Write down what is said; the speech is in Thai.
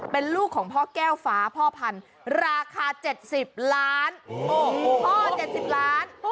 เป็นลูกของพ่อแก้วฟ้าพ่อพันธุ์ราคา๗๐ล้านพ่อ๗๐ล้าน